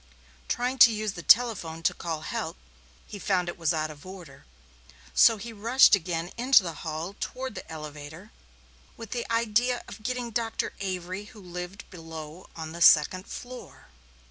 Trying to use the telephone to call help, he found it was out of order. So he rushed again into the hall toward the elevator with the idea of getting Dr. Avery, who lived below on the second floor.